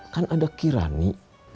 kan ada kirani